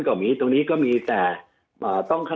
สวัสดีครับทุกคน